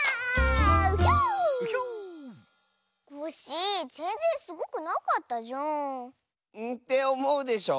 コッシーぜんぜんすごくなかったじゃん。っておもうでしょ？